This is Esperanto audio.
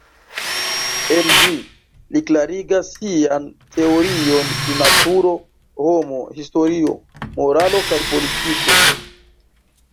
En ĝi li klarigas sian teorion pri naturo, homo, historio, moralo kaj politiko.